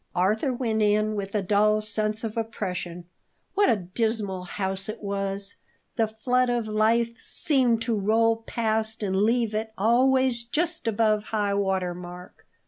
Arthur went in with a dull sense of oppression. What a dismal house it was! The flood of life seemed to roll past and leave it always just above high water mark.